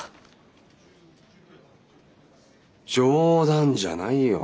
冗談じゃないよ